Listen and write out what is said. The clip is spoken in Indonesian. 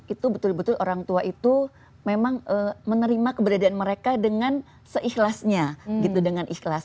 itu betul betul orang tua itu memang menerima keberadaan mereka dengan seikhlasnya gitu dengan ikhlas